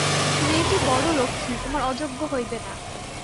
মেয়েটি বড়ো লক্ষ্মী, তোমার অযোগ্য হইবে না।